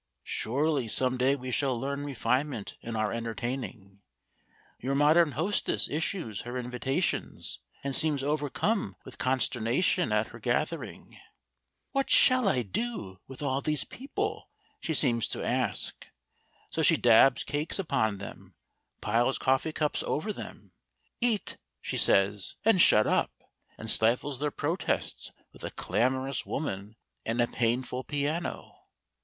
"Surely some day we shall learn refinement in our entertaining. Your modern hostess issues her invitations and seems overcome with consternation at her gathering. 'What shall I do with all these people?' she seems to ask. So she dabs cakes upon them, piles coffee cups over them: 'Eat,' she says, 'and shut up!' and stifles their protests with a clamorous woman and a painful piano.